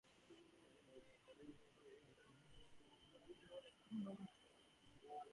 The only road apart from the highway runs to the border.